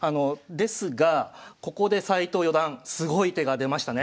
ですがここで斎藤四段すごい手が出ましたね。